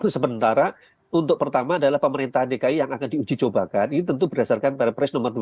sementara untuk pertama adalah pemerintahan dki yang akan diuji coba kan ini tentu berdasarkan perpres nomor dua puluh satu tahun dua ribu dua puluh tiga